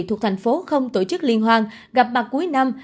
thuộc thành phố không tổ chức liên hoan gặp mặt cuối năm